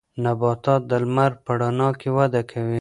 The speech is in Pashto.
نباتات د لمر په رڼا کې وده کوي.